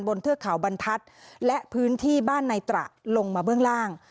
เทือกเขาบรรทัศน์และพื้นที่บ้านในตระลงมาเบื้องล่าง